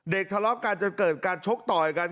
ทะเลาะกันจนเกิดการชกต่อยกัน